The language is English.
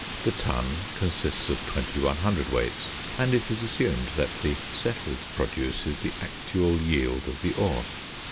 The ton consists of 21 cwts., and it is assumed that the "settled" produce is the actual yield of the ore.